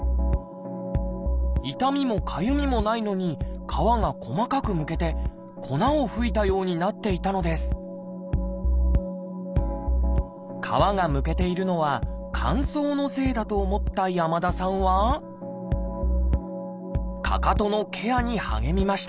痛みもかゆみもないのに皮が細かくむけて粉を吹いたようになっていたのです皮がむけているのは乾燥のせいだと思った山田さんはかかとのケアに励みました